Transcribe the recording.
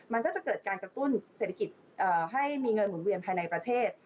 มันก็จะเกิดการกระตุ้นเศรษฐกิจให้มีเงินหมุนเวียนภายในประเทศ